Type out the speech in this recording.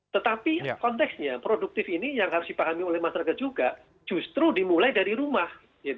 tetapi konteksnya produktif ini yang harus dipahami oleh masyarakat juga justru dimulai dari rumah